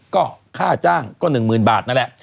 ก็ค่าจ้างก็๑๐๐๐บาทนั่นแหละ